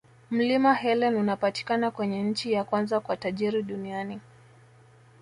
Mlima helen unapatikana kwenye nchi ya kwanza kwa tajiri duniani